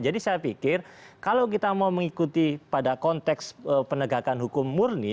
jadi saya pikir kalau kita mau mengikuti pada konteks penegakan hukum murni